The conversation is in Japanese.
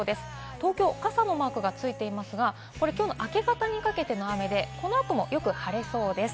東京は傘のマークついていますが、これ今日の明け方にかけての雨で、この後はよく晴れそうです。